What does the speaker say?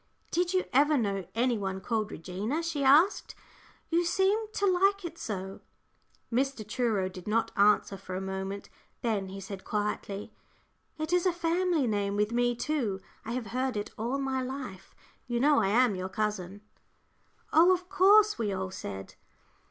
"Did you ever know any one called Regina?" she asked. "You seem to like it so." Mr. Truro did not answer for a moment. Then he said, quietly, "It is a family name with me, too. I have heard it all my life. You know I am your cousin." "Oh, of course," we all said.